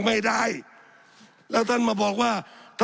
สับขาหลอกกันไปสับขาหลอกกันไป